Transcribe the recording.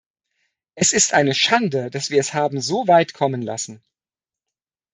Es ist eine Schande, dass wir es haben so weit kommen lassen.